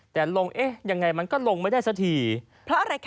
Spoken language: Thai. แต่ลงเอยังไงมันก็ลงไม่ได้สถีย์